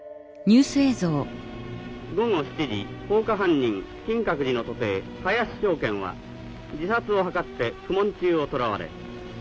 午後７時放火犯人金閣寺の徒弟林承賢は自殺を図って苦もん中を捕らわれ日赤病院に収容。